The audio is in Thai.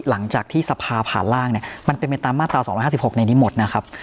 หลังจากที่สภาผ่านร่างเนี่ยมันเป็นไปตามมาตรา๒๕๖ในนี้หมดนะครับ